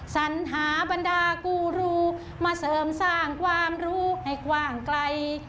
สัญหาบรรดากูรูมาเสริมสร้างความรู้ให้กว้างไกล